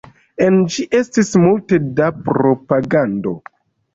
En ĝi estis multe da propagando.